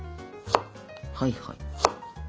はいはい。